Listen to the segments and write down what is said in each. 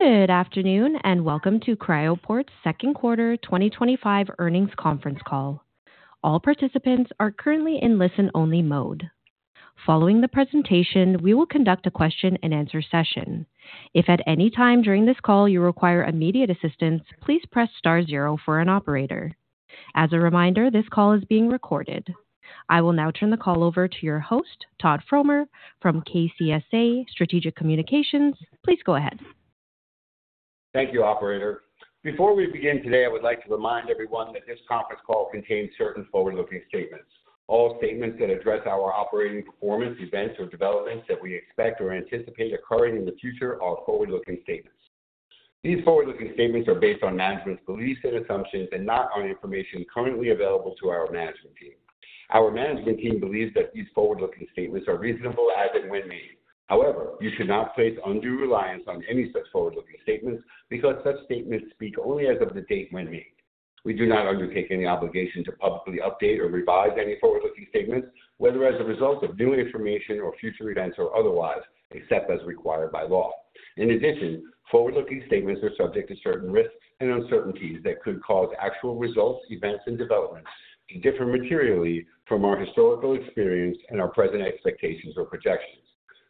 Good afternoon and welcome to Cryoport's second quarter 2025 earnings conference call. All participants are currently in listen-only mode. Following the presentation, we will conduct a question-and-answer session. If at any time during this call you require immediate assistance, please press star zero for an operator. As a reminder, this call is being recorded. I will now turn the call over to your host, Todd Fromer, from KCSA Strategic Communications. Please go ahead. Thank you, Operator. Before we begin today, I would like to remind everyone that this conference call contains certain forward-looking statements. All statements that address our operating performance, events, or developments that we expect or anticipate occurring in the future are forward-looking statements. These forward-looking statements are based on management's beliefs and assumptions and not on information currently available to our management team. Our management team believes that these forward-looking statements are reasonable as and when made. However, you should not place undue reliance on any such forward-looking statements because such statements speak only as of the date when made. We do not undertake any obligation to publicly update or revise any forward-looking statements, whether as a result of new information or future events or otherwise, except as required by law. In addition, forward-looking statements are subject to certain risks and uncertainties that could cause actual results, events, and developments to differ materially from our historical experience and our present expectations or projections.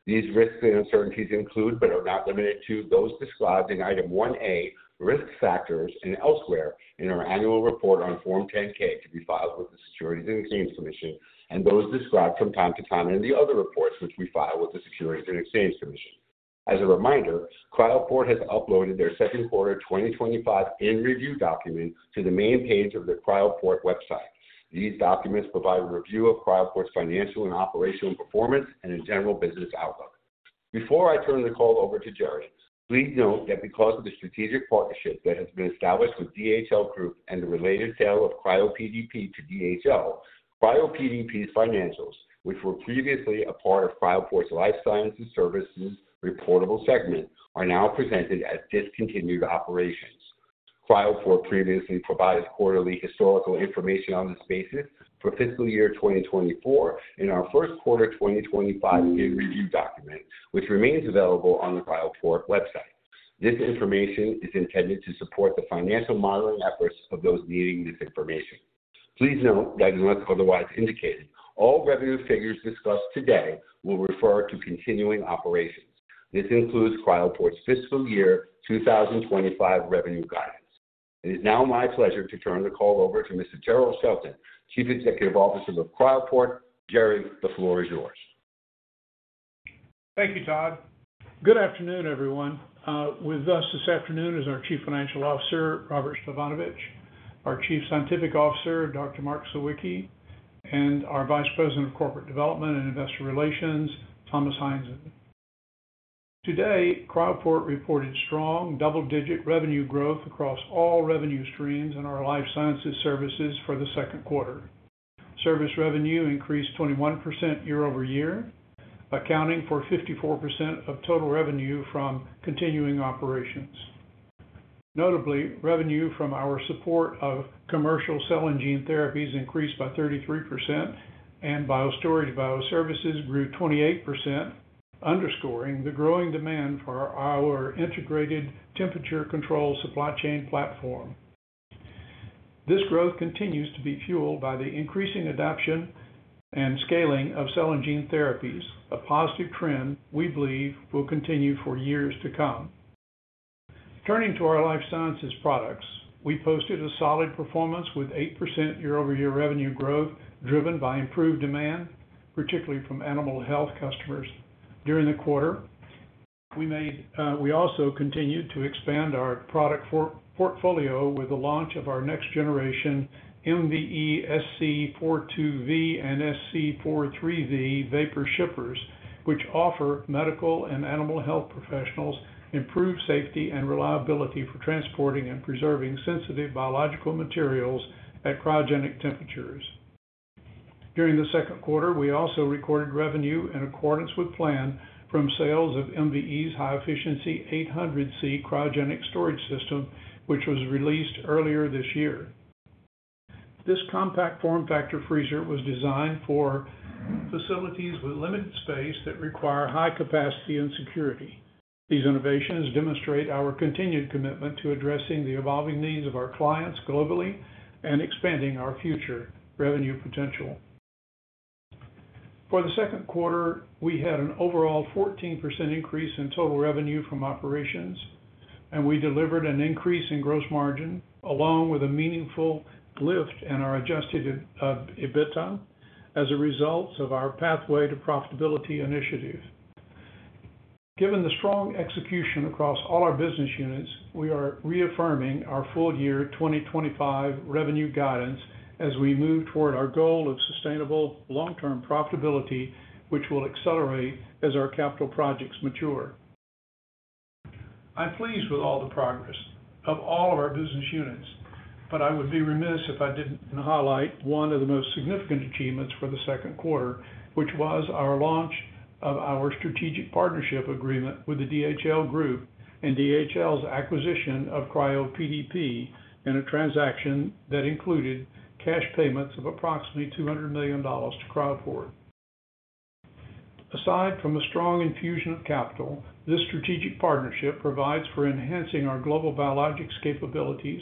These risks and uncertainties include, but are not limited to, those described in Item 1A, Risk Factors, and elsewhere in our annual report on Form 10-K to be filed with the Securities and Exchange Commission, and those described from time to time in the other reports which we file with the Securities and Exchange Commission. As a reminder, Cryoport has uploaded their second quarter 2025 in-review document to the main page of the Cryoport website. These documents provide a review of Cryoport's financial and operational performance and a general business outlook. Before I turn the call over to Jerry, please note that because of the strategic partnership that has been established with DHL Group and the related sale of CRYOPDP to DHL, CRYOPDP's financials, which were previously a part of Cryoport's Life Sciences Services reportable segment, are now presented as discontinued operations. Cryoport previously provided quarterly historical information on these spaces for fiscal year 2024 in our first quarter 2025 year-review document, which remains available on the Cryoport website. This information is intended to support the financial modeling efforts of those needing this information. Please note that unless otherwise indicated, all revenue figures discussed today will refer to continuing operations. This includes Cryoport's fiscal year 2025 revenue guidance. It is now my pleasure to turn the call over to Mr. Jerrell Shelton, Chief Executive Officer of Cryoport. Jerry, the floor is yours Thank you, Todd. Good afternoon, everyone. With us this afternoon is our Chief Financial Officer, Robert Stefanovich, our Chief Scientific Officer, Dr. Mark W. Sawicki, and our Vice President of Corporate Development and Investor Relations, Thomas Heinzen. Today, Cryoport Inc. reported strong double-digit revenue growth across all revenue streams in our Life Sciences Services for the second quarter. Service revenue increased 21% year-over-year, accounting for 54% of total revenue from continuing operations. Notably, revenue from our support of commercial cell and gene therapies increased by 33%, and biostorage bioservices grew 28%, underscoring the growing demand for our integrated temperature-controlled supply chain platform. This growth continues to be fueled by the increasing adoption and scaling of cell and gene therapies, a positive trend we believe will continue for years to come. Turning to our Life Sciences Products, we posted a solid performance with 8% year-over-year revenue growth driven by improved demand, particularly from animal health customers during the quarter. We also continued to expand our product portfolio with the launch of our next-generation MVE SC 4/2V and SC 4/3V vapor shippers, which offer medical and animal health professionals improved safety and reliability for transporting and preserving sensitive biological materials at cryogenic temperatures. During the second quarter, we also recorded revenue in accordance with plan from sales of MVE high-efficiency 800C cryogenic storage system, which was released earlier this year. This compact form factor freezer was designed for facilities with limited space that require high capacity and security. These innovations demonstrate our continued commitment to addressing the evolving needs of our clients globally and expanding our future revenue potential. For the second quarter, we had an overall 14% increase in total revenue from operations, and we delivered an increase in gross margin along with a meaningful lift in our adjusted EBITDA as a result of our Pathway to Profitability initiative. Given the strong execution across all our business units, we are reaffirming our full-year 2025 revenue guidance as we move toward our goal of sustainable long-term profitability, which will accelerate as our capital projects mature. I'm pleased with all the progress of all of our business units, but I would be remiss if I didn't highlight one of the most significant achievements for the second quarter, which was our launch of our strategic partnership agreement with the DHL Group and DHL's acquisition of CRYOPDP in a transaction that included cash payments of approximately $200 million to Cryoport Inc. Aside from a strong infusion of capital, this strategic partnership provides for enhancing our global biologics capabilities,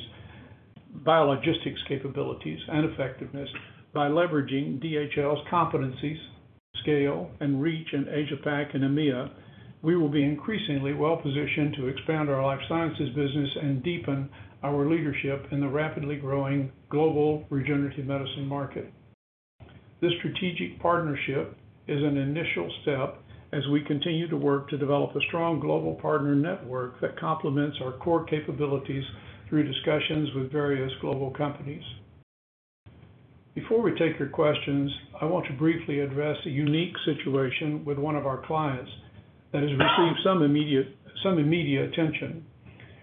biologistics capabilities, and effectiveness by leveraging DHL's competencies, scale, and reach in APAC and EMEA. We will be increasingly well-positioned to expand our life sciences business and deepen our leadership in the rapidly growing global regenerative medicine market. This strategic partnership is an initial step as we continue to work to develop a strong global partner network that complements our core capabilities through discussions with various global companies. Before we take your questions, I want to briefly address a unique situation with one of our clients that has received some immediate attention.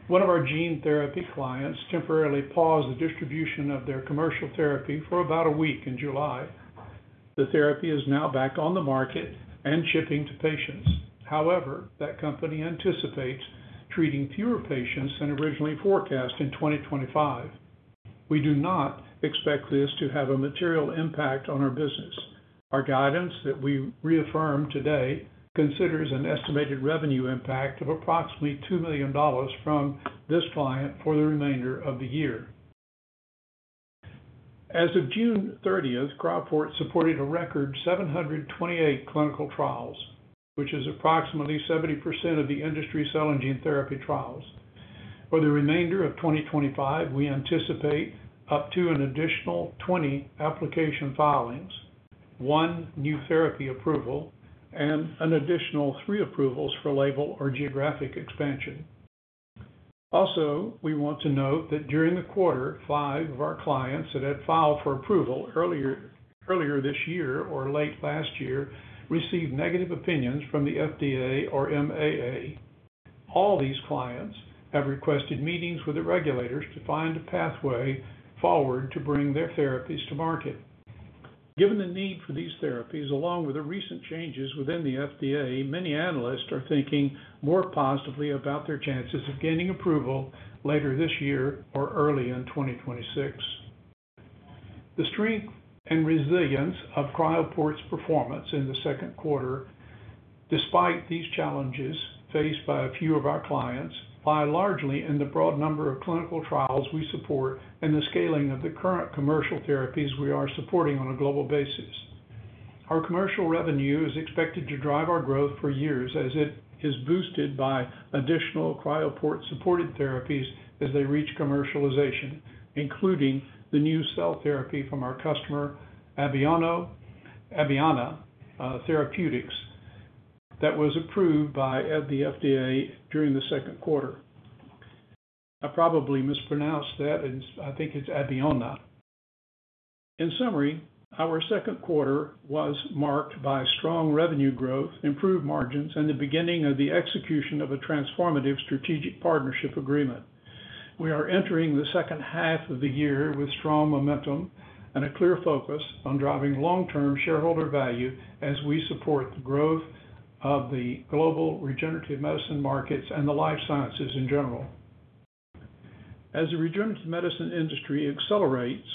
One of our gene therapy clients temporarily paused the distribution of their commercial therapy for about a week in July. The therapy is now back on the market and shipping to patients. However, that company anticipates treating fewer patients than originally forecast in 2025. We do not expect this to have a material impact on our business. Our guidance that we reaffirmed today considers an estimated revenue impact of approximately $2 million from this client for the remainder of the year. As of June 30, Cryoport Inc. supported a record 728 clinical trials, which is approximately 70% of the industry cell and gene therapy trials. For the remainder of 2025, we anticipate up to an additional 20 application filings, one new therapy approval, and an additional three approvals for label or geographic expansion. Also, we want to note that during the quarter, five of our clients that had filed for approval earlier this year or late last year received negative opinions from the FDA or MAA. All these clients have requested meetings with the regulators to find a pathway forward to bring their therapies to market. Given the need for these therapies, along with the recent changes within the FDA, many analysts are thinking more positively about their chances of gaining approval later this year or early in 2026. The strength and resilience of Cryoport's performance in the second quarter, despite these challenges faced by a few of our clients, lie largely in the broad number of clinical trials we support and the scaling of the current commercial therapies we are supporting on a global basis. Our commercial revenue is expected to drive our growth for years as it is boosted by additional Cryoport-supported therapies as they reach commercialization, including the new cell therapy from our customer, Abecma, therapeutics that was approved by the FDA during the second quarter. I probably mispronounced that, and I think it's Abecma. In summary, our second quarter was marked by strong revenue growth, improved margins, and the beginning of the execution of a transformative strategic partnership agreement. We are entering the second half of the year with strong momentum and a clear focus on driving long-term shareholder value as we support the growth of the global regenerative medicine markets and the life sciences in general. As the regenerative medicine industry accelerates,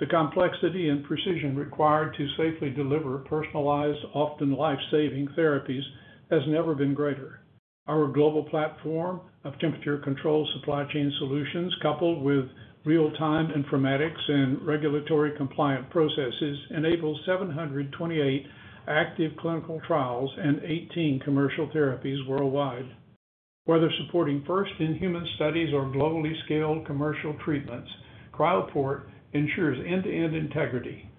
the complexity and precision required to safely deliver personalized, often life-saving therapies has never been greater. Our global platform of temperature-controlled supply chain solutions, coupled with real-time informatics and regulatory compliant processes, enable 728 active clinical trials and 18 commercial therapies worldwide. Whether supporting first-in-human studies or globally scaled commercial treatments, Cryoport ensures end-to-end integrity.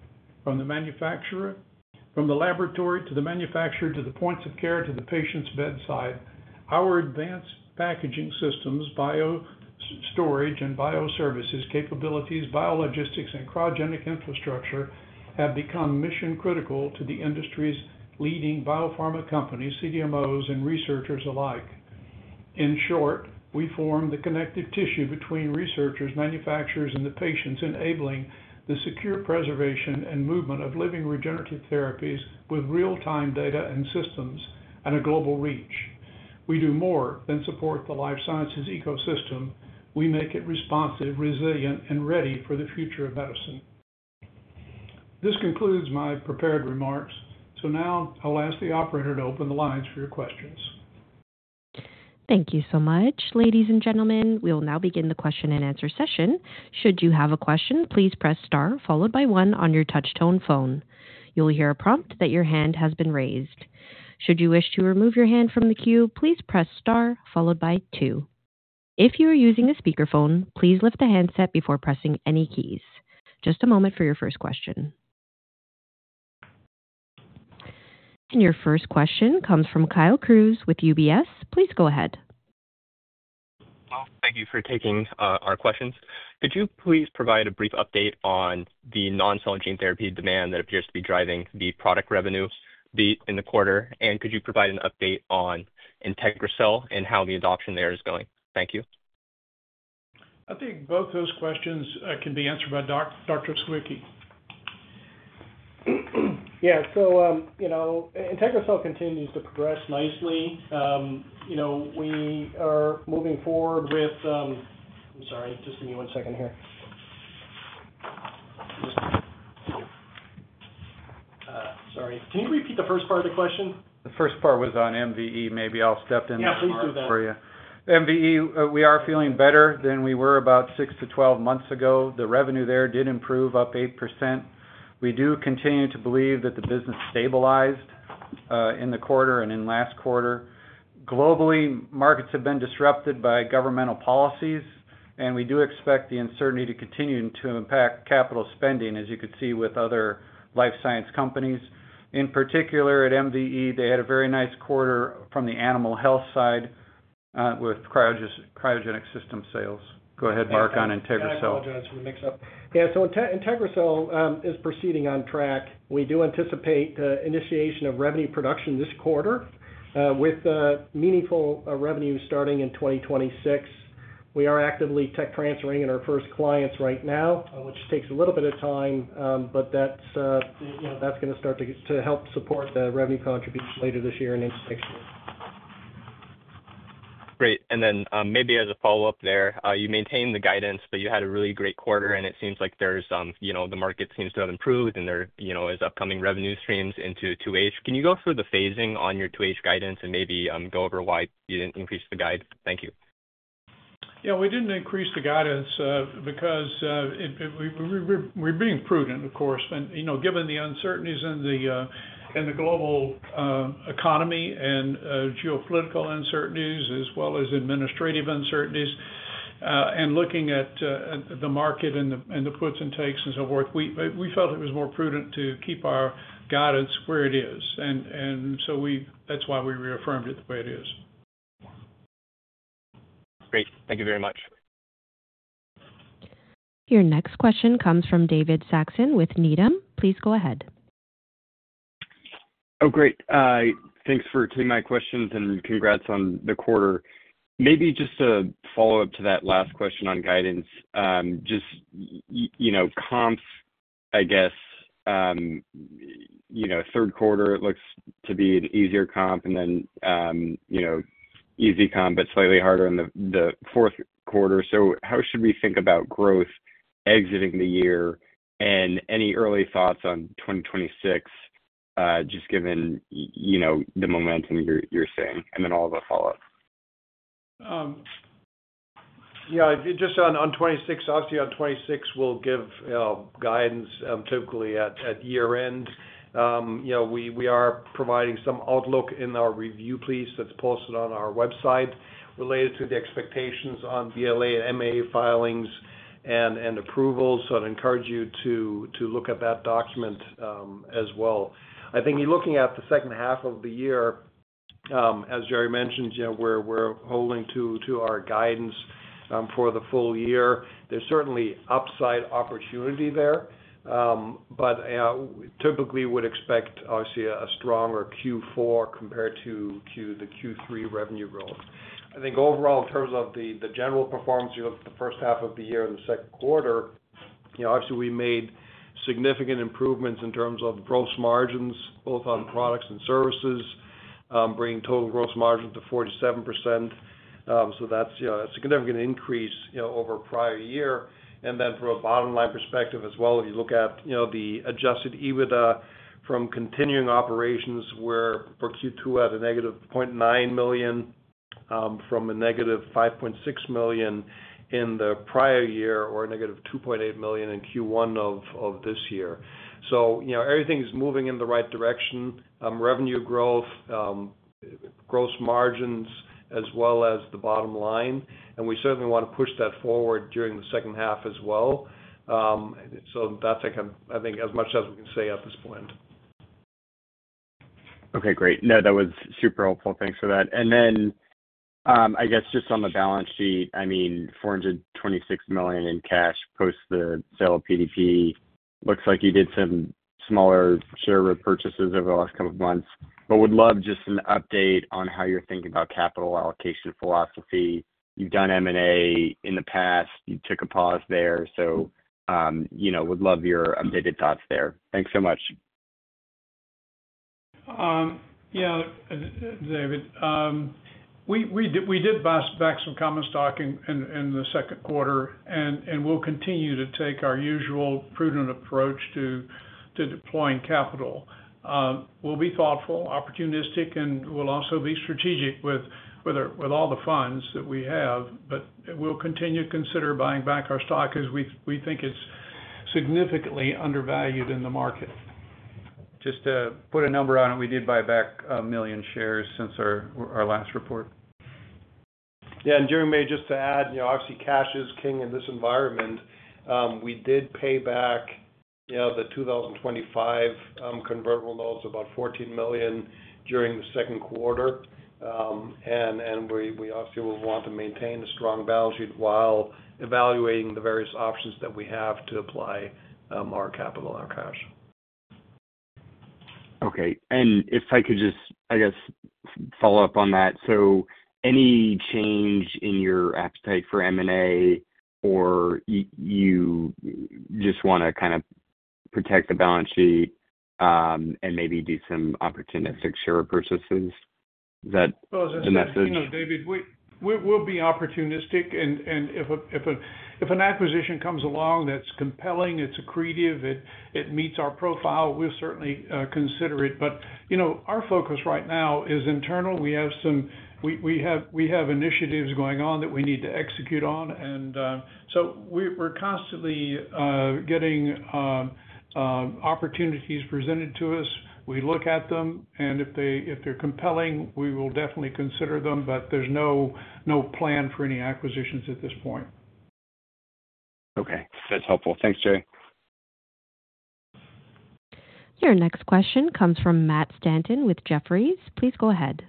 From the laboratory to the manufacturer, to the points of care, to the patient's bedside, our advanced packaging systems, biostorage and bioservices capabilities, biologistics, and cryogenic infrastructure have become mission-critical to the industry's leading biopharma companies, CDMOs, and researchers alike. In short, we form the connective tissue between researchers, manufacturers, and the patients, enabling the secure preservation and movement of living regenerative therapies with real-time data and systems and a global reach. We do more than support the life sciences ecosystem. We make it responsive, resilient, and ready for the future of medicine. This concludes my prepared remarks. Now I'll ask the operator to open the lines for your questions. Thank you so much. Ladies and gentlemen, we will now begin the question-and-answer session. Should you have a question, please press star followed by one on your touch-tone phone. You'll hear a prompt that your hand has been raised. Should you wish to remove your hand from the queue, please press star followed by two. If you are using a speakerphone, please lift the handset before pressing any keys. Just a moment for your first question. Your first question comes from Kyle Crews with UBS. Please go ahead. Thank you for taking our questions. Could you please provide a brief update on the non-cell and gene therapy demand that appears to be driving the product revenue in the quarter? Could you provide an update on IntegriCell and how the adoption there is going? Thank you. I think both those questions can be answered by Dr. Mark W. Sawicki. Yeah, so IntegriCell continues to progress nicely. We are moving forward with—I'm sorry, just give me one second here. Sorry, can you repeat the first part of the question? The first part was on MVE. Maybe I'll step in. Yeah, please do that. For MVE, we are feeling better than we were about six to 12 months ago. The revenue there did improve, up 8%. We do continue to believe that the business stabilized in the quarter and in last quarter. Globally, markets have been disrupted by governmental policies, and we do expect the uncertainty to continue to impact capital spending, as you could see with other life science companies. In particular, at MVE, they had a very nice quarter from the animal health side with cryogenic system sales. Go ahead, Mark, on IntegriCell. I apologize. We mixed up. Yeah, so IntegriCell is proceeding on track. We do anticipate the initiation of revenue production this quarter, with meaningful revenue starting in 2026. We are actively tech transferring in our first clients right now, which takes a little bit of time, but that's going to start to help support the revenue contributions later this year and next year. Great. Maybe as a follow-up there, you maintained the guidance, but you had a really great quarter, and it seems like the market seems to have improved and there are upcoming revenue streams into 2H. Can you go through the phasing on your 2H guidance and maybe go over why you didn't increase the guide? Thank you. Yeah, we didn't increase the guidance because we're being prudent, of course. You know, given the uncertainties in the global economy and geopolitical uncertainties, as well as administrative uncertainties, and looking at the market and the puts and takes and so forth, we felt it was more prudent to keep our guidance where it is. That's why we reaffirmed it the way it is. Great. Thank you very much. Your next question comes from David Saxon with Needham. Please go ahead. Great. Thanks for taking my questions and congrats on the quarter. Maybe just a follow-up to that last question on guidance. Just, you know, comps, I guess, third quarter looks to be an easier comp and then, you know, easy comp, but slightly harder in the fourth quarter. How should we think about growth exiting the year and any early thoughts on 2026, just given, you know, the momentum you're seeing? I'll have a follow-up. Yeah, just on 2026, obviously on 2026 we'll give guidance typically at year-end. You know, we are providing some outlook in our review piece that's posted on our website related to the expectations on VLA and MA filings and approvals. I'd encourage you to look at that document as well. I think you're looking at the second half of the year, as Jerrell mentioned, you know, we're holding to our guidance for the full year. There's certainly upside opportunity there, but I typically would expect obviously a stronger Q4 compared to the Q3 revenue growth. I think overall, in terms of the general performance, you look at the first half of the year and the second quarter, you know, obviously we made significant improvements in terms of the gross margins, both on products and services, bringing total gross margins to 47%. That's a significant increase over a prior year. From a bottom-line perspective as well, if you look at the adjusted EBITDA from continuing operations where for Q2 we had a -$0.9 million from a -$5.6 million in the prior year or a -$2.8 million in Q1 of this year. You know, everything is moving in the right direction: revenue growth, gross margins, as well as the bottom line. We certainly want to push that forward during the second half as well. That's, I think, as much as we can say at this point. Okay, great. No, that was super helpful. Thanks for that. I guess just on the balance sheet, I mean, $426 million in cash post the sale of CRYOPDP. Looks like you did some smaller share repurchases over the last couple of months, but would love just an update on how you're thinking about capital allocation philosophy. You've done M&A in the past. You took a pause there. Would love your updated thoughts there. Thanks so much. Yeah, David, we did bounce back some comments talking in the second quarter, and we'll continue to take our usual prudent approach to deploying capital. We'll be thoughtful, opportunistic, and we'll also be strategic with all the funds that we have. We'll continue to consider buying back our stock as we think it's significantly undervalued in the market. Just to put a number on it, we did buy back 1 million shares since our last report. Yeah, and Jerrell, just to add, obviously cash is king in this environment. We did pay back the 2025 convertible notes, about $14 million during the second quarter. We obviously will want to maintain a strong balance sheet while evaluating the various options that we have to apply our capital and our cash. Okay, if I could just, I guess, follow up on that. Any change in your appetite for M&A, or you just want to kind of protect the balance sheet and maybe do some opportunistic share purchases? Is that the message? As I said, you know, David, we'll be opportunistic, and if an acquisition comes along that's compelling, it's accretive, it meets our profile, we'll certainly consider it. You know, our focus right now is internal. We have some initiatives going on that we need to execute on. We're constantly getting opportunities presented to us. We look at them, and if they're compelling, we will definitely consider them, but there's no plan for any acquisitions at this point. Okay, that's helpful. Thanks, Jerrell. Your next question comes from Matt Stanton with Jefferies. Please go ahead.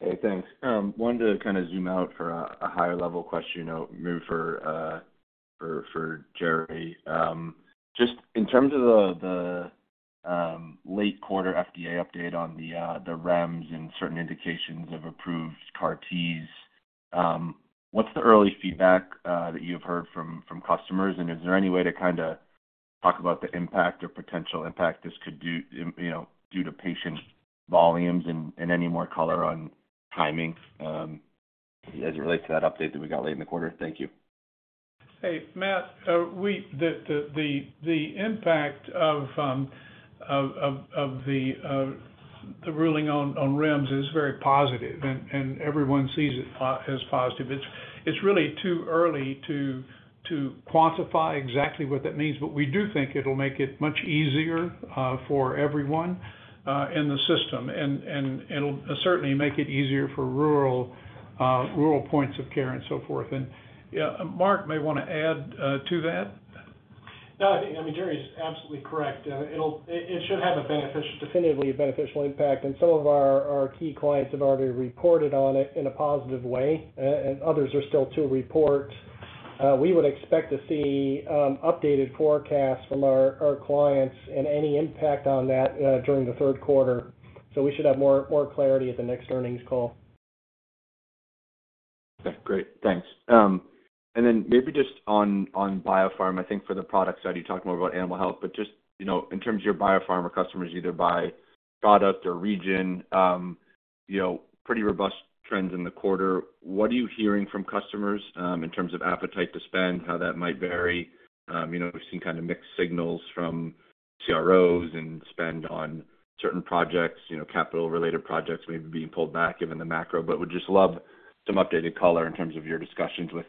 Hey, thanks. Wanted to kind of zoom out for a higher-level question, you know, move for Jerrell. Just in terms of the late quarter FDA update on the REMS and certain indications of approved CAR-Ts, what's the early feedback that you've heard from customers? Is there any way to kind of talk about the impact or potential impact this could do, you know, due to patient volumes and any more color on timing as it relates to that update that we got late in the quarter? Thank you. Hey, Matt. The impact of the ruling on REMS is very positive, and everyone sees it as positive. It's really too early to quantify exactly what that means, but we do think it'll make it much easier for everyone in the system. It will certainly make it easier for rural points of care and so forth. Mark may want to add to that. No, I think Jerrell is absolutely correct. It should have a definitively beneficial impact, and some of our key clients have already reported on it in a positive way, and others are still to report. We would expect to see updated forecasts from our clients and any impact on that during the third quarter. We should have more clarity at the next earnings call. Okay, great. Thanks. Maybe just on biopharm, I think for the product side, you talked more about animal health, but just, you know, in terms of your biopharma customers, either by product or region, pretty robust trends in the quarter. What are you hearing from customers in terms of appetite to spend, how that might vary? We've seen kind of mixed signals from CROs and spend on certain projects, capital-related projects maybe being pulled back given the macro, but would just love some updated color in terms of your discussions with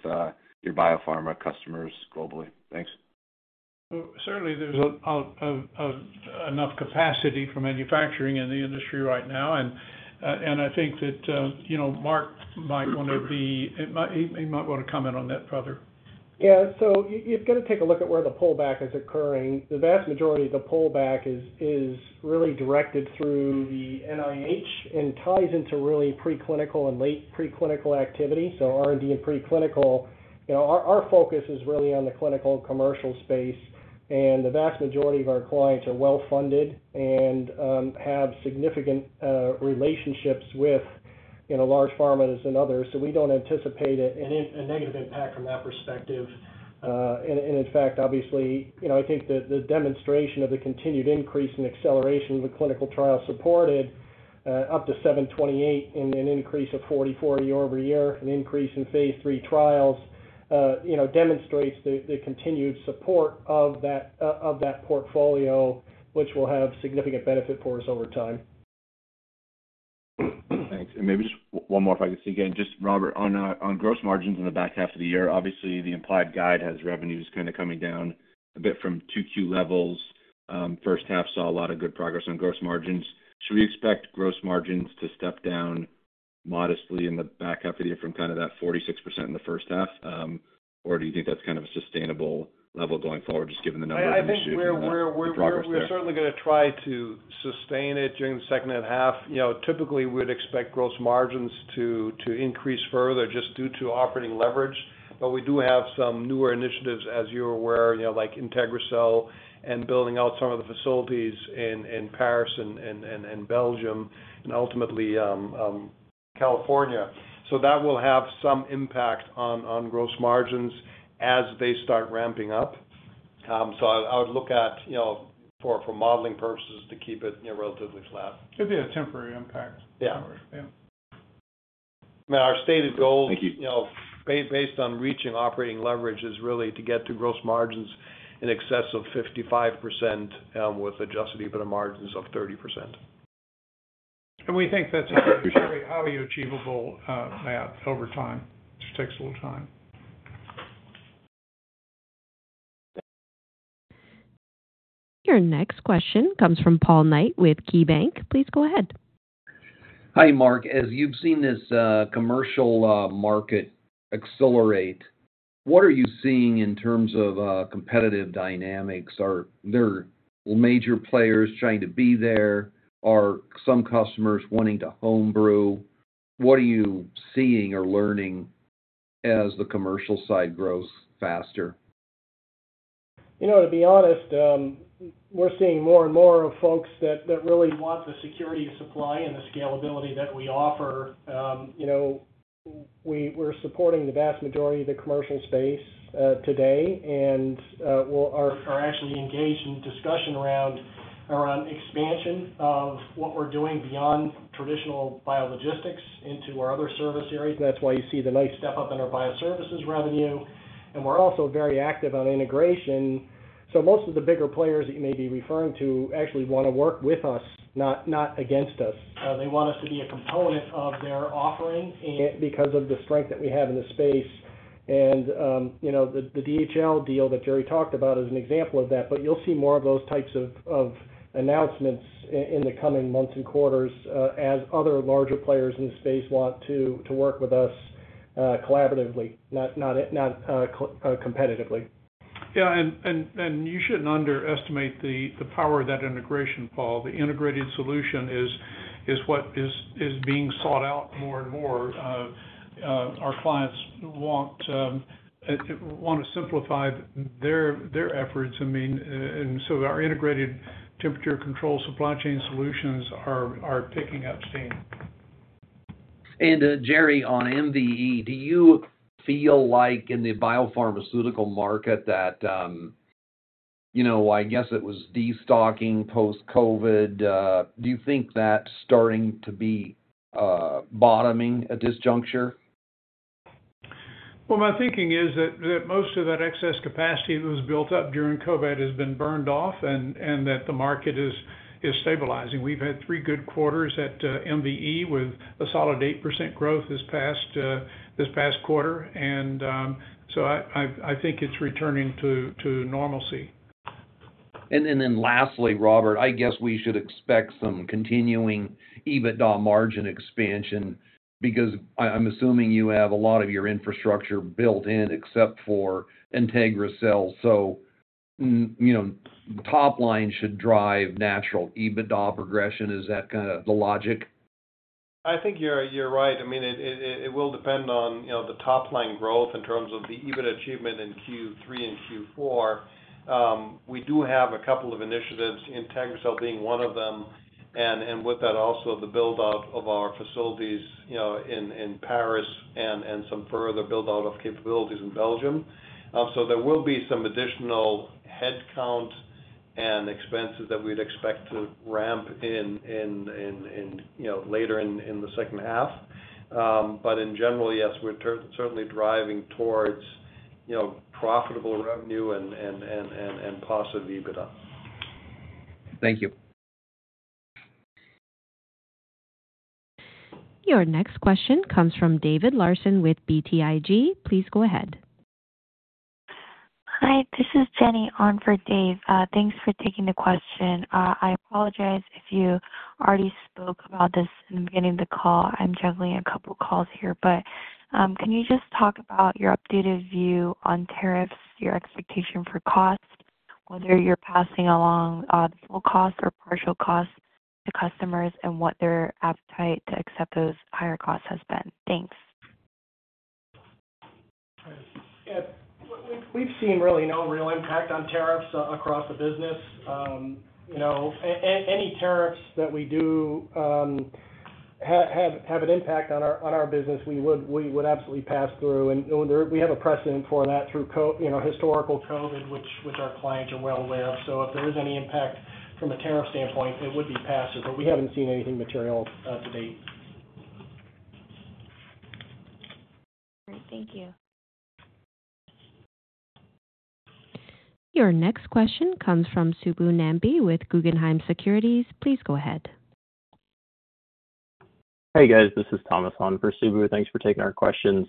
your biopharma customers globally. Thanks. There is enough capacity for manufacturing in the industry right now. I think that, you know, Mark might want to be, he might want to comment on that further. Yeah, you've got to take a look at where the pullback is occurring. The vast majority of the pullback is really directed through the NIH and ties into preclinical and late preclinical activity. R&D and preclinical, our focus is really on the clinical commercial space. The vast majority of our clients are well-funded and have significant relationships with large pharma and others. We don't anticipate a negative impact from that perspective. In fact, I think that the demonstration of the continued increase in acceleration of the clinical trials supported up to 728, an increase of 44 year-over-year, an increase in phase three trials, demonstrates the continued support of that portfolio, which will have significant benefit for us over time. Thanks. Maybe just one more if I could, Robert, on gross margins in the back half of the year. Obviously, the implied guide has revenues kind of coming down a bit from 2Q levels. First half saw a lot of good progress on gross margins. Should we expect gross margins to step down modestly in the back half of the year from kind of that 46% in the first half, or do you think that's kind of a sustainable level going forward, just given the number of issues? I think we're certainly going to try to sustain it during the second half. Typically, we'd expect gross margins to increase further just due to operating leverage. We do have some newer initiatives, as you're aware, like IntegriCell and building out some of the facilities in Paris and Belgium and ultimately California. That will have some impact on gross margins as they start ramping up. I would look at, for modeling purposes, to keep it relatively flat. It'd be a temporary impact. Yeah, I mean, our stated goal, you know, based on reaching operating leverage, is really to get to gross margins in excess of 55% with adjusted EBITDA margins of 30%. We think that's a fairly highly achievable amount over a fixable time. Your next question comes from Paul Knight with KeyBanc Capital Markets. Please go ahead. Hi Mark, as you've seen this commercial market accelerate, what are you seeing in terms of competitive dynamics? Are there major players trying to be there? Are some customers wanting to homebrew? What are you seeing or learning as the commercial side grows faster? To be honest, we're seeing more and more of folks that really want the security of supply and the scalability that we offer. We're supporting the vast majority of the commercial space today and are actually engaged in discussion around expansion of what we're doing beyond traditional biologistics into our other service areas. That's why you see the nice step up in our BioServices revenue. We're also very active on integration. Most of the bigger players that you may be referring to actually want to work with us, not against us. They want us to be a component of their offering because of the strength that we have in the space. The DHL Group deal that Jerrell talked about is an example of that. You'll see more of those types of announcements in the coming months and quarters as other larger players in the space want to work with us collaboratively, not competitively. You shouldn't underestimate the power of that integration, Paul. The integrated solution is what is being sought out more and more. Our clients want to simplify their efforts, and so our integrated temperature-controlled supply chain solutions are taking up steam. Jerry, on MVE, do you feel like in the biopharmaceutical market that it was destocking post-COVID, do you think that's starting to be bottoming at this juncture? I think that most of that excess capacity that was built up during COVID has been burned off and that the market is stabilizing. We've had three good quarters at MVE with a solid 8% growth this past quarter, and I think it's returning to normalcy. Lastly, Robert, I guess we should expect some continuing EBITDA margin expansion because I'm assuming you have a lot of your infrastructure built in except for IntegriCell. The top line should drive natural EBITDA progression. Is that kind of the logic? I think you're right. I mean, it will depend on the top line growth in terms of the EBITDA achievement in Q3 and Q4. We do have a couple of initiatives, IntegriCell being one of them, and with that also the build-out of our facilities in Paris and some further build-out of capabilities in Belgium. There will be some additional headcount and expenses that we'd expect to ramp in later in the second half. In general, yes, we're certainly driving towards profitable revenue and positive EBITDA. Thank you. Your next question comes from David Larsen with BTIG. Please go ahead. Hi, this is Jenny on for Dave. Thanks for taking the question. I apologize if you already spoke about this in the beginning of the call. I'm juggling a couple of calls here, but can you just talk about your updated view on tariffs, your expectation for cost, whether you're passing along full cost or partial cost to customers, and what their appetite to accept those higher costs has been? Thanks. Yeah, we've seen really no real impact on tariffs across the business. Any tariffs that we do have an impact on our business, we would absolutely pass through. We have a precedent for that through historical COVID, which our clients are well aware of. If there is any impact from a tariff standpoint, it would be passed through, but we haven't seen anything material to date. All right, thank you. Your next question comes from Subbu Nambi with Guggenheim Securities. Please go ahead. Hey guys, this is Thomas on for Subbu. Thanks for taking our questions.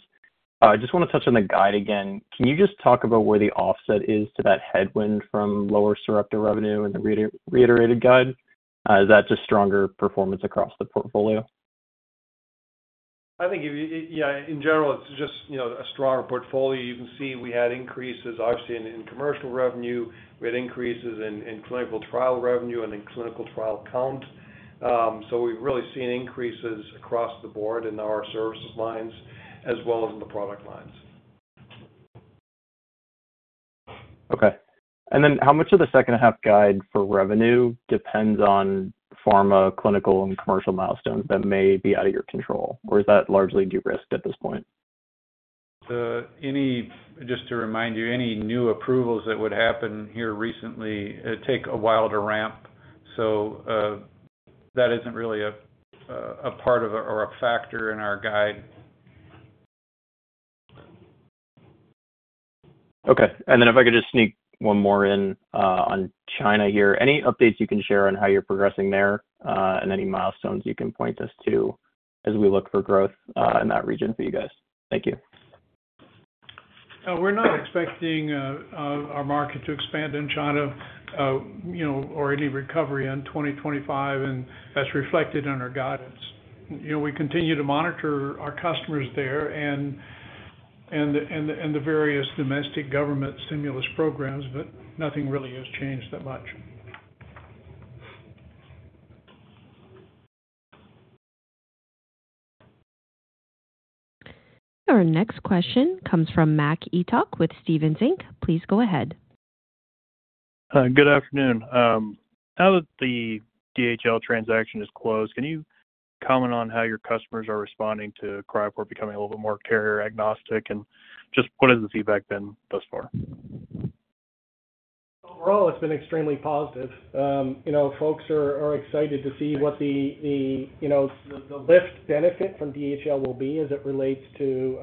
I just want to touch on the guide again. Can you just talk about where the offset is to that headwind from lower surreptitive revenue and the reiterated guide? Is that just stronger performance across the portfolio? I think, in general, it's just a stronger portfolio. You can see we had increases, obviously, in commercial revenue. We had increases in clinical trial revenue and in clinical trial count. We've really seen increases across the board in our services lines, as well as in the product lines. Okay. How much of the second-half guide for revenue depends on pharma, clinical, and commercial milestones that may be out of your control, or is that largely de-risked at this point? Just to remind you, any new approvals that would happen here recently take a while to ramp. That isn't really a part of it or a factor in our guide. Okay. If I could just sneak one more in on China here, any updates you can share on how you're progressing there and any milestones you can point us to as we look for growth in that region for you guys? Thank you. We're not expecting our market to expand in China or any recovery in 2025, and that's reflected in our guidance. We continue to monitor our customers there and the various domestic government stimulus programs, but nothing really has changed that much. Our next question comes from Mac Etoch with Stephens Inc. Please go ahead. Good afternoon. Now that the DHL transaction is closed, can you comment on how your customers are responding to Cryoport becoming a little bit more carrier-agnostic? What has the feedback been thus far? Overall, it's been extremely positive. Folks are excited to see what the lift benefit from DHL Group will be as it relates to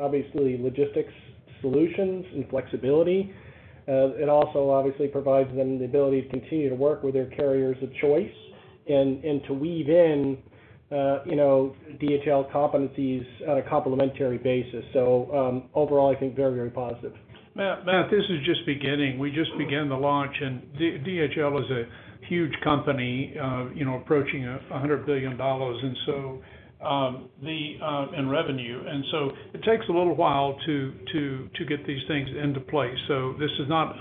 logistics solutions and flexibility. It also provides them the ability to continue to work with their carriers of choice and to weave in DHL Group competencies on a complementary basis. Overall, I think very, very positive. Matt, this is just beginning. We just began the launch, and DHL Group is a huge company, you know, approaching $100 billion in revenue. It takes a little while to get these things into place. This is not,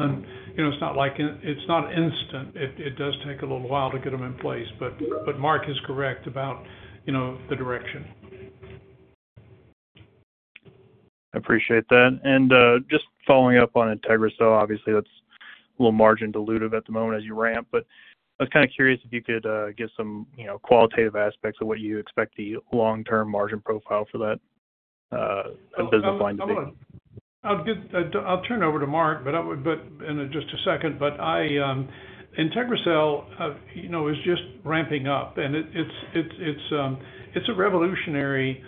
you know, it's not instant. It does take a little while to get them in place. Mark is correct about, you know, the direction. I appreciate that. Just following up on IntegriCell, obviously, that's a little margin diluted at the moment as you ramp. I was kind of curious if you could give some qualitative aspects of what you expect the long-term margin profile for that business line to be. I'll turn over to Mark, in just a second. IntegriCell, you know, is just ramping up. It's a revolutionary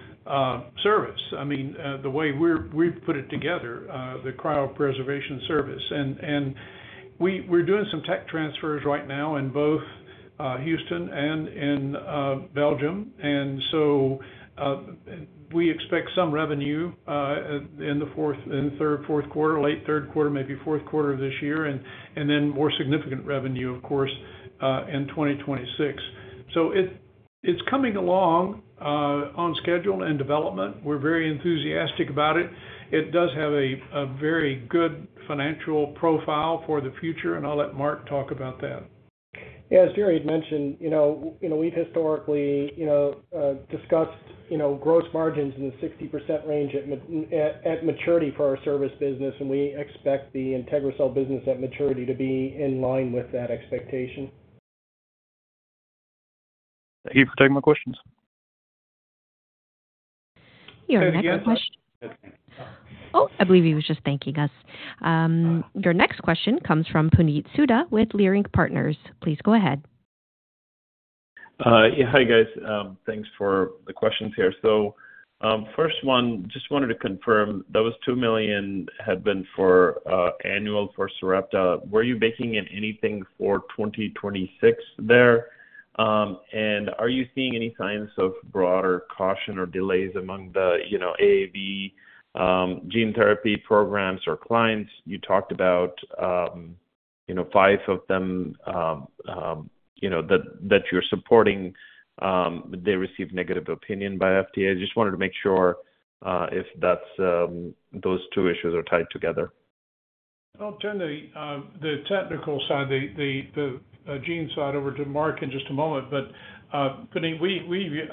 service. I mean, the way we've put it together, the cryopreservation service. We're doing some tech transfers right now in both Houston and in Belgium. We expect some revenue in the fourth and third, fourth quarter, late third quarter, maybe fourth quarter of this year, and then more significant revenue, of course, in 2026. It's coming along on schedule and development. We're very enthusiastic about it. It does have a very good financial profile for the future. I'll let Mark talk about that. Yeah, as Jerrell had mentioned, we've historically discussed gross margins in the 60% range at maturity for our service business. We expect the IntegriCell business at maturity to be in line with that expectation. Thank you for taking my questions. Your next question. I believe he was just thanking us. Your next question comes from Puneet Souda with Leerink Partners. Please go ahead. Yeah, hi guys. Thanks for the questions here. First one, just wanted to confirm those $2 million had been for annual for surreptite. Were you baking in anything for 2026 there? Are you seeing any signs of broader caution or delays among the, you know, AAV gene therapy programs or clients? You talked about, you know, five of them, you know, that you're supporting. They received negative opinion by FDA. I just wanted to make sure if those two issues are tied together. I'll turn the technical side, the gene side over to Mark in just a moment. We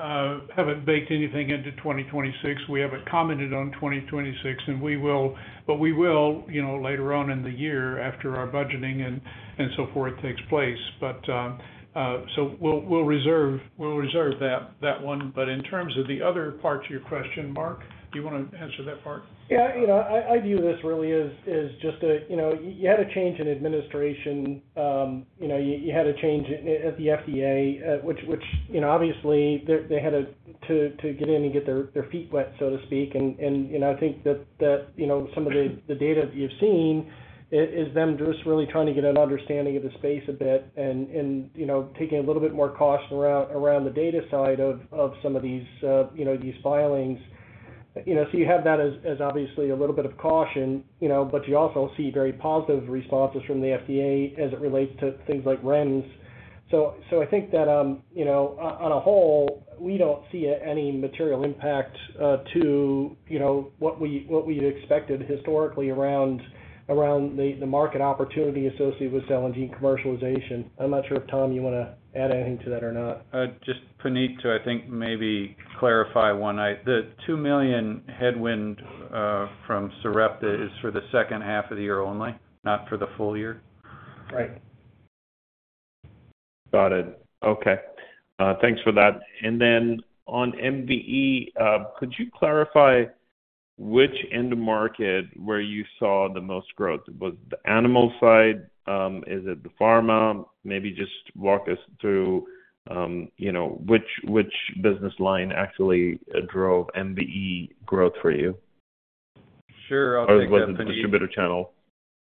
haven't baked anything into 2026. We haven't commented on 2026. We will, later on in the year after our budgeting and so forth takes place. We'll reserve that one. In terms of the other parts of your question, Mark, do you want to answer that part? Yeah, I view this really as just a change in administration. You had a change at the FDA, which obviously they had to get in and get their feet wet, so to speak. I think that some of the data that you've seen is them just really trying to get an understanding of the space a bit and taking a little bit more caution around the data side of some of these filings. You have that as obviously a little bit of caution, but you also see very positive responses from the FDA as it relates to things like REMS. I think that, on a whole, we don't see any material impact to what we'd expected historically around the market opportunity associated with cell and gene commercialization. I'm not sure if Tom, you want to add anything to that or not. Just Puneet, too, I think maybe clarify one. The $2 million headwind from surreptite is for the second half of the year only, not for the full year. Right. Got it. Okay. Thanks for that. On MVE, could you clarify which end of market where you saw the most growth? Was it the animal side? Is it the pharma? Maybe just walk us through which business line actually drove MVE growth for you? Sure. Was it the distributor channel?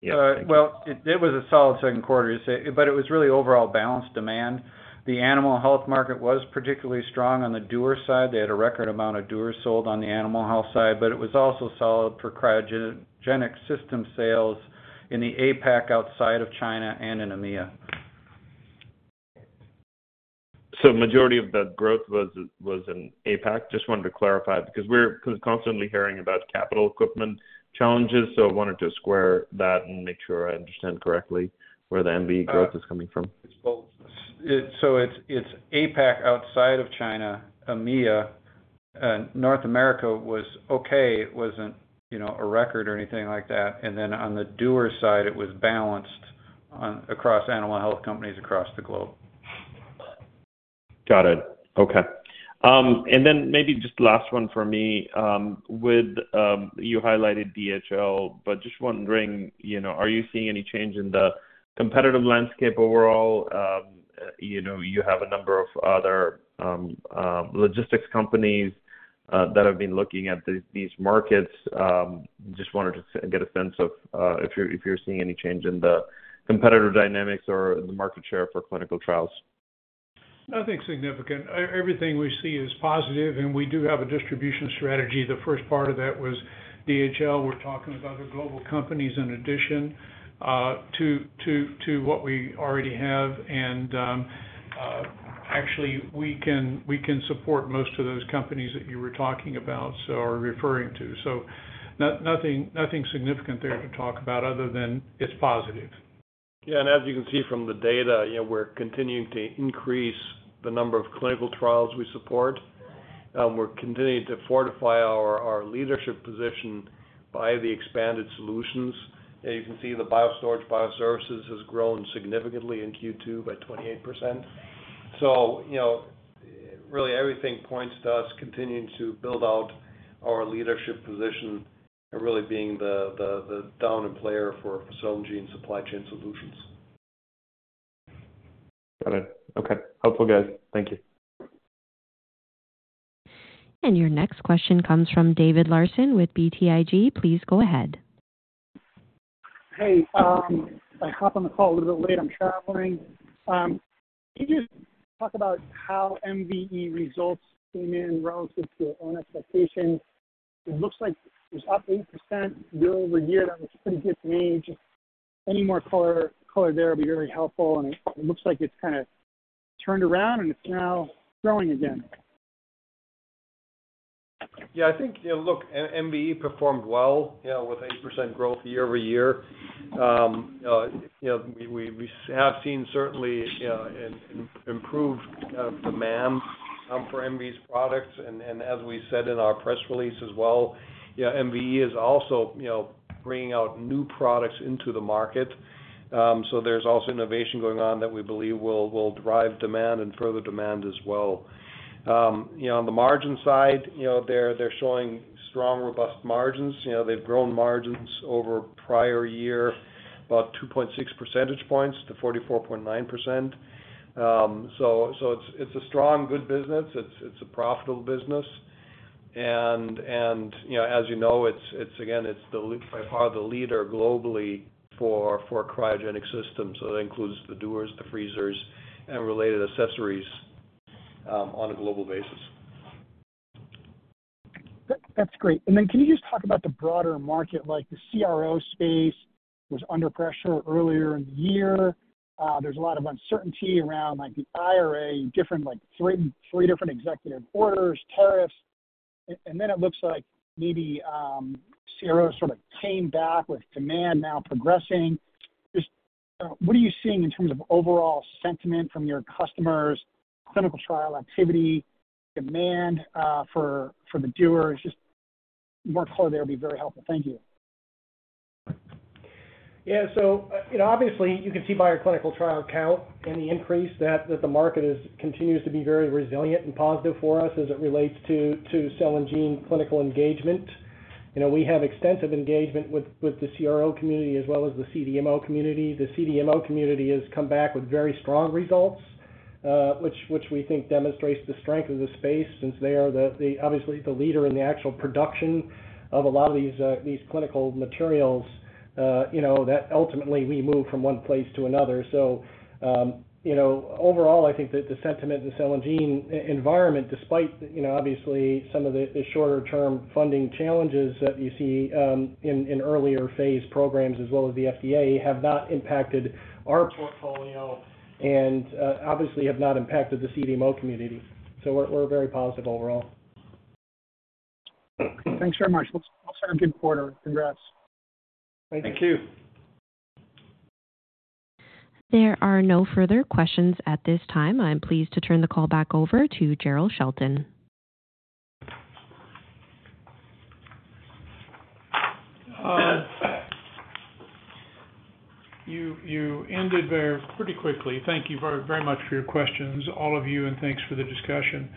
Yeah. It was a solid second quarter, but it was really overall balanced demand. The animal health market was particularly strong on the doer side. They had a record amount of doers sold on the animal health side, but it was also solid for cryogenic system sales in APAC outside of China and in EMEA. The majority of the growth was in APAC. I just wanted to clarify because we're constantly hearing about capital equipment challenges. I wanted to square that and make sure I understand correctly where the MVE growth is coming from. It's APAC outside of China, EMEA. North America was okay. It wasn't, you know, a record or anything like that. On the doer side, it was balanced across animal health companies across the globe. Got it. Okay. Maybe just the last one for me. You highlighted DHL, but just wondering, you know, are you seeing any change in the competitive landscape overall? You know, you have a number of other logistics companies that have been looking at these markets. Just wanted to get a sense of if you're seeing any change in the competitive dynamics or the market share for clinical trials. I think significant. Everything we see is positive, and we do have a distribution strategy. The first part of that was DHL. We're talking about the global companies in addition to what we already have. Actually, we can support most of those companies that you were talking about or referring to. Nothing significant there to talk about other than it's positive. Yeah, as you can see from the data, we're continuing to increase the number of clinical trials we support. We're continuing to fortify our leadership position by the expanded solutions. You can see the biostorage bioservices has grown significantly in Q2 by 28%. Really, everything points to us continuing to build out our leadership position and really being the dominant player for fertility and supply chain solutions. Got it. Okay. Helpful, guys. Thank you. Your next question comes from David Larsen with BTIG. Please go ahead. Hey, I hop on the call a little bit late. I'm traveling. Could you just talk about how MVE results came in relative to your own expectation? It looks like it was up 8% year-over-year. That was a pretty good range. Any more color there would be very helpful. It looks like it's kind of turned around and it's now growing again. Yeah, I think, yeah, look, MVE performed well, you know, with 8% growth year-over-year. We have seen certainly, you know, an improved kind of demand for MVE's products. As we said in our press release as well, you know, MVE is also, you know, bringing out new products into the market. There's also innovation going on that we believe will drive demand and further demand as well. On the margin side, you know, they're showing strong robust margins. They've grown margins over the prior year about 2.6 percentage points to 44.9%. It's a strong, good business. It's a profitable business. You know, as you know, it's, again, it's by far the leader globally for cryogenic systems. That includes the dewars, the freezers, and related accessories on a global basis. That's great. Can you just talk about the broader market? The CRO space was under pressure earlier in the year. There's a lot of uncertainty around the IRA, three different executive orders, tariffs. It looks like maybe CRO sort of came back with demand now progressing. What are you seeing in terms of overall sentiment from your customers, clinical trial activity, demand for the doers? More color there would be very helpful. Thank you. Yeah, you know, obviously you can see by our clinical trial count and the increase that the market continues to be very resilient and positive for us as it relates to cell and gene clinical engagement. We have extensive engagement with the CRO community as well as the CDMO community. The CDMO community has come back with very strong results, which we think demonstrates the strength of the space since they are obviously the leader in the actual production of a lot of these clinical materials that ultimately we move from one place to another. Overall, I think that the sentiment in the cell and gene environment, despite some of the shorter-term funding challenges that you see in earlier phase programs as well as the FDA, have not impacted our portfolio and obviously have not impacted the CDMO community. We're very positive overall. Thanks very much. You all sent a good quarter. Congrats. Thank you. Thank you. There are no further questions at this time. I'm pleased to turn the call back over to Jerrell Shelton. You ended there pretty quickly. Thank you very much for your questions, all of you, and thanks for the discussion.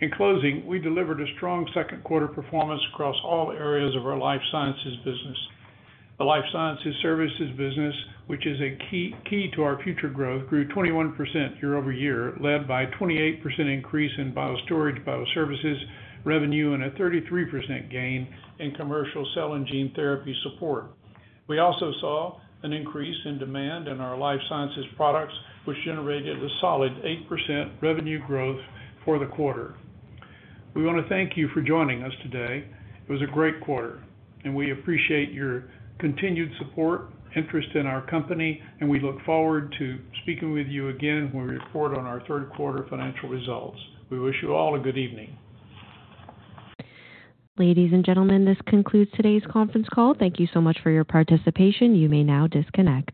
In closing, we delivered a strong second-quarter performance across all areas of our life sciences business. The Life Sciences Services business, which is a key to our future growth, grew 21% year-over-year, led by a 28% increase in biostorage bioservices revenue and a 33% gain in commercial cell and gene therapy support. We also saw an increase in demand in our Life Sciences Products, which generated a solid 8% revenue growth for the quarter. We want to thank you for joining us today. It was a great quarter, and we appreciate your continued support, interest in our company, and we look forward to speaking with you again when we report on our third-quarter financial results. We wish you all a good evening. Ladies and gentlemen, this concludes today's conference call. Thank you so much for your participation. You may now disconnect.